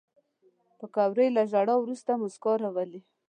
پکورې له ژړا وروسته موسکا راولي